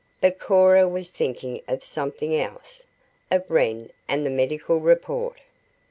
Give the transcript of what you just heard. But Cora was thinking of something else of Wren and the medical report.